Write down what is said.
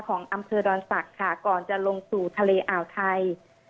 ของอำเภอดอนศักดิ์ค่ะก่อนจะลงสู่ทะเลอ่าวไทย